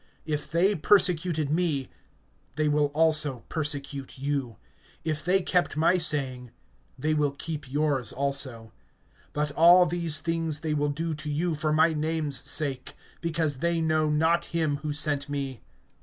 If they persecuted me, they will also persecute you; if they kept my saying, they will keep yours also. (21)But all these things they will do to you for my name's sake, because they know not him who sent me.